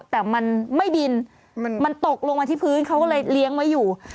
แต่มันไม่บินมันตกลงมาที่พื้นเขาก็เลยเลี้ยงไว้อยู่